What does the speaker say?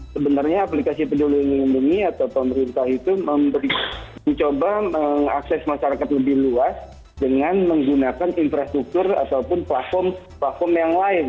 sebenarnya aplikasi peduli lindungi atau pemerintah itu mencoba mengakses masyarakat lebih luas dengan menggunakan infrastruktur ataupun platform platform yang lain